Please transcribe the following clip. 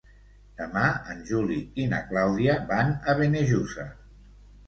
Demà en Juli i na Clàudia van a Benejússer.